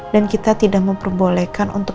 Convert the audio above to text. kita tidak memperbolehkan untuk